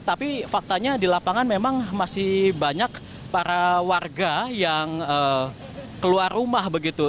tapi faktanya di lapangan memang masih banyak para warga yang keluar rumah begitu